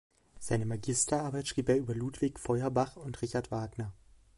Seine Magisterarbeit schrieb er über Ludwig Feuerbach und Richard Wagner.